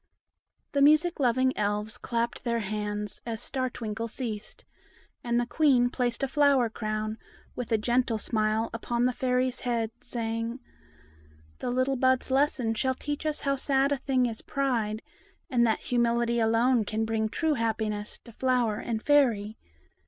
The music loving Elves clapped their hands, as Star Twinkle ceased; and the Queen placed a flower crown, with a gentle smile, upon the Fairy's head, saying,— "The little bud's lesson shall teach us how sad a thing is pride, and that humility alone can bring true happiness to flower and Fairy.